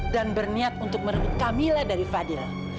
dan berniat untuk merebut kamila dari fadil